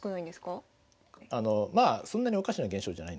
まあそんなにおかしな現象じゃないんです。